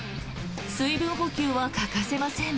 水分補給は欠かせません。